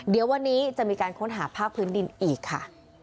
เดี๋ยววันนี้จะมีการค้นหาภาคพื้นดินอีกค่ะ